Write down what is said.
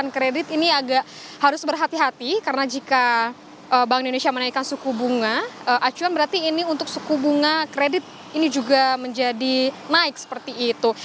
kredit ini agak harus berhati hati karena jika bank indonesia menaikkan suku bunga acuan berarti ini untuk suku bunga kredit ini juga menjadi naik seperti itu